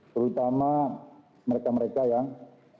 terutama mereka mereka yang secara luas